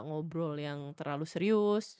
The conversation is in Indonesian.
ngobrol yang terlalu serius